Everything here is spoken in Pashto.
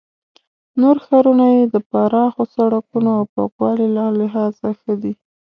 نور ښارونه یې د پراخو سړکونو او پاکوالي له لحاظه ښه دي.